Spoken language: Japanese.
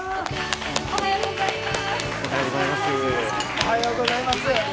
おはようございます。